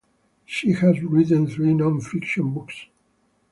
She has written three non-fiction books.